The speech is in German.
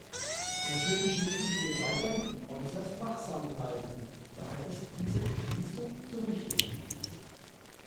Natürlich müssen wir weiterhin äußerst wachsam bleiben, daher ist diese Entschließung so wichtig.